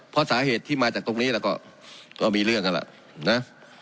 เพราะสาเหตุที่มาจากตรงนี้แล้วก็มีเรื่องกันล่ะนะ